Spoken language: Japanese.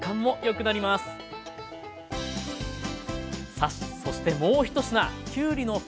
さあそしてもう１品。